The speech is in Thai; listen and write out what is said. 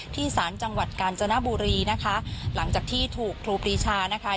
สารจังหวัดกาญจนบุรีนะคะหลังจากที่ถูกครูปรีชานะคะ